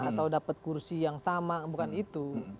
atau dapat kursi yang sama bukan itu